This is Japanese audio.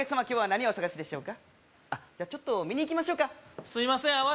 今日は何をお探しでしょうかあじゃあちょっと見に行きましょうかすいません